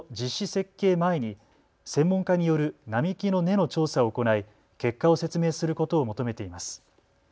設計前に専門家による並木の根の調査を行い結果を説明することを求めています。